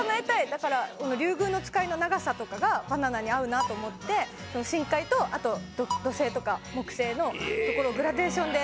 だからリュウグウノツカイの長さとかがバナナに合うなと思って深海とあと土星とか木星のところをグラデーションで。